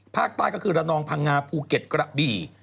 ภาคใต้ก็คือระนองพังงาภูเก็ตกระบี่